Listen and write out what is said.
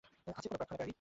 আছে কোন প্রার্থনাকারী?